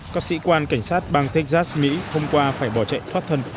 các sĩ quan cảnh sát bang texas mỹ thông qua phải bỏ chạy thoát thân